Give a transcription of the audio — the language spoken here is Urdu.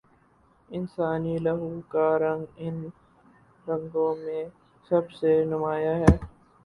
انسانی لہو کا رنگ ان رنگوں میں سب سے نمایاں ہے۔